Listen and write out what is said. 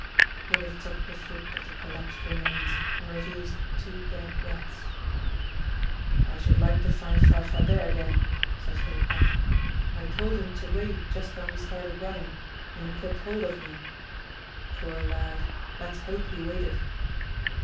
He lifts up the foot of the collapsed remains and reveals two dead rats. "I should like to find Farfadet again," says Volpatte. "I told him to wait just when we started running and he clipped hold of me. Poor lad, let's hope he waited!"